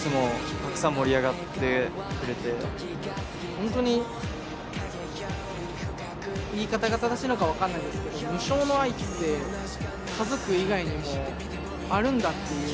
本当に言い方が正しいのか分かんないですけど無償の愛って家族以外にもあるんだっていうのがすごい実感できて。